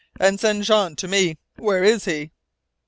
And send Jean to me! Where is he?"